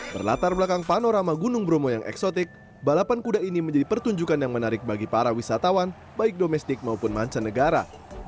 berlatar belakang panorama gunung bromo yang eksotik balapan kuda ini menjadi pertunjukan yang menarik bagi para wisatawan baik domestik maupun mancanegara